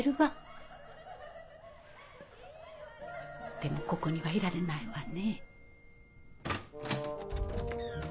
でもここにはいられないわね。